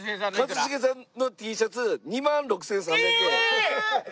一茂さんのＴシャツ２万６３００円。